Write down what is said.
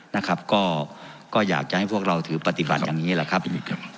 นะครับก็อยากจะให้พวกเราถือปฏิบัติอย่างนี้แหละครับ